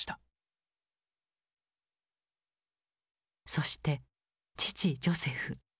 そして父ジョセフ。